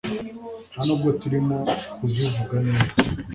nta nubwo turimo kuzivuga neza